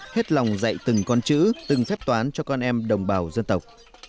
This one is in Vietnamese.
hết lòng dạy từng con chữ từng phép toán cho con em đồng bào dân tộc